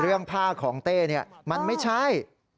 เรื่องผ้าของเต้นี่มันไม่ใช่